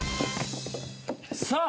さあ。